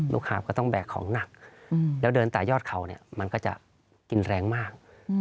ลูกหอบก็ต้องแบกของหนักแล้วเดินไปตามยอดเขาก็จะกินแรงมาก